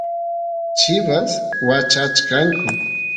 chivas wachachkanku